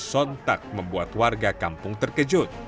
sontak membuat warga kampung terkejut